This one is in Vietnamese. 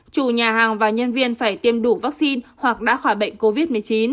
chủ nhà hàng và nhân viên phải tiêm đủ vaccine hoặc đã khỏi bệnh covid một mươi chín